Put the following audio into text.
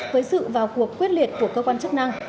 với sự vào cuộc quyết liệt của cơ quan chức năng